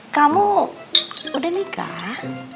kamu udah nikah